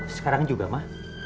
sekarang juga ma